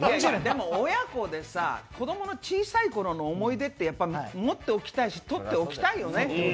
親子でさ、子供の小さいころの思い出って持っておきたいし、とっておきたいよね。